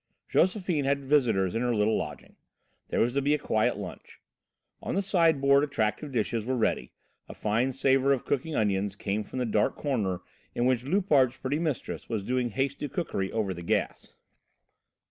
Josephine had visitors in her little lodging. There was to be a quiet lunch. On the sideboard attractive dishes were ready, a fine savour of cooking onions came from the dark corner in which Loupart's pretty mistress was doing hasty cookery over the gas.